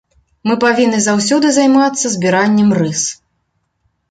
Мы павінны заўсёды займацца збіраннем рыс.